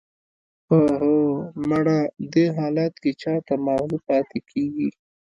"اوه، مړه! دې حالت کې چا ته ماغزه پاتې کېږي!"